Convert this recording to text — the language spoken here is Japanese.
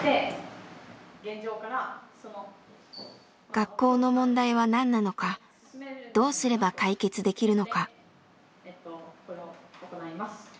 学校の問題は何なのかどうすれば解決できるのか？